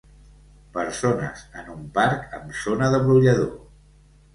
Persones en un parc amb zona de brollador